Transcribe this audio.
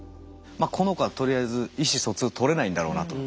まあこの子はとりあえず意思疎通とれないんだろうなと。